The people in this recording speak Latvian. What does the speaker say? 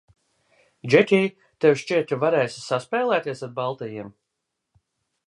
Džekij, tev šķiet, ka varēsi saspēlēties ar baltajiem?